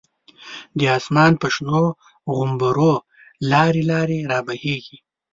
د آسمان په شنو غومبرو، لاری لاری رابهیږی